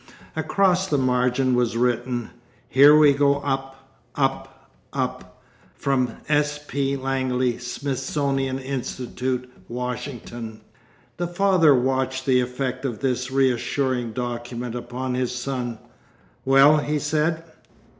Across the margin was written: 'Here we go up, up, up—from S. P. Langley, Smithsonian Institution, Washington.' The father watched the effect of this reassuring document upon his son. 'Well?' he said.